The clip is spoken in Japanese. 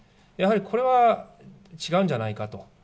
やはりこれは、違うんじゃないかと。